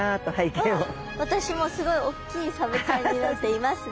私もすごいおっきいサメちゃんになっていますね。